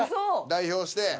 代表して。